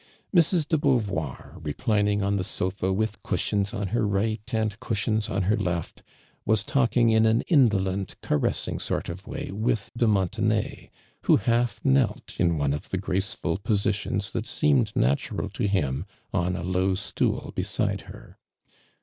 i[rs. de Beauvoir, reclining on the sofa with cushions on her right and cushions on her left, wfih talking in an indolent, caressing sort of way with de Montenay, who half knelt in one of the graceful positions that se^'Uied natural to him, on a low stool beside her.